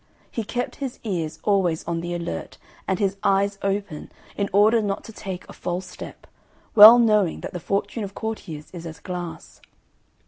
He kept his ears always on the alert and his eyes open in order not to take a false step, well knowing that the fortune of courtiers is as glass.